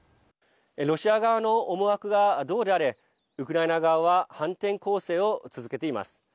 ロシア側の思惑がどうであれウクライナ側は反転攻勢を続けています。